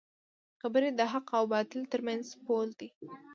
خبرې د حق او باطل ترمنځ پول دی